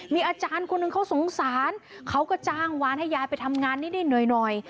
มีอาจารย์คนหนึ่งเขาสงสารเขาก็จ้างวานให้ยายไปทำงานนิดหน่อย